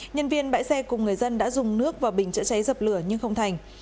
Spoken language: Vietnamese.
nhân viên bãi xe cùng người dân đã dùng nước vào bình chữa cháy dập lửa nhưng không thành